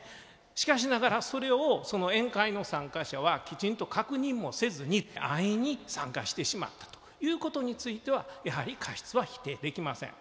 しかしながらそれをその宴会の参加者はきちんと確認もせずに安易に参加してしまったということについてはやはり過失は否定できません。